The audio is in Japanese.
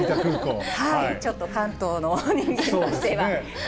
ちょっと関東の人間としては。